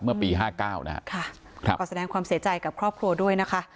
เมื่อปี๕๙นะครับขอแสดงความเสียใจกับครอบครัวด้วยนะคะ